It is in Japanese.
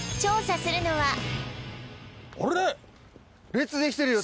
列できてるよ